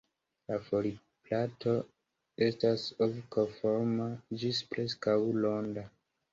La foliplato estas ov-korforma ĝis preskaŭ ronda.